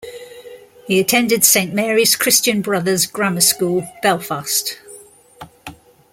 He attended Saint Mary's Christian Brothers' Grammar School, Belfast.